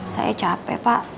saya capek pak